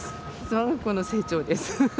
わが子の成長です。